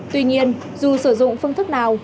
tuy nhiên dù sử dụng phương thức nào